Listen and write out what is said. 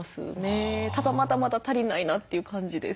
ただまだまだ足りないなという感じです。